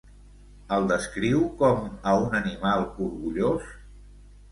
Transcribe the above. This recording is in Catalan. El descriu com a un animal orgullós?